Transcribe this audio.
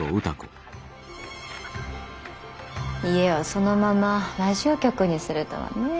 家をそのままラジオ局にするとはねぇ。